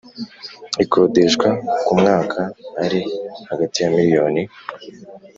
ikodeshwa ku mwaka ari hagati ya miliyoni